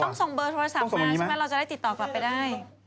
ต้องส่งเบอร์โทรศัพท์มาใช่ไหมเราจะได้ติดต่อกลับไปได้